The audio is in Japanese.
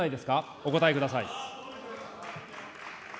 お答えください。